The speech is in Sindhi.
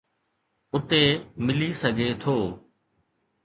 اتي ملي سگهي ٿو.